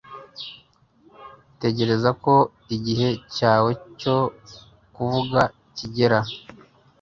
Tegereza ko igihe cyawe cyo kuvuga kigera